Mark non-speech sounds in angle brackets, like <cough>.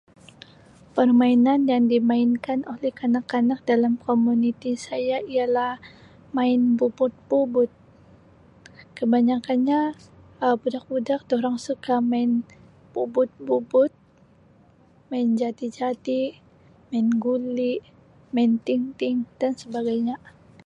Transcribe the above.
Permainan yang dimainkan oleh kanak-kanak dalam komuniti saya ialah main bubut-bubut. <noise> Kebanyakkannya Um budak-budak durang suka main bubut-bubut, main jadi-jadi, main guli, main tinting dan sebagainya.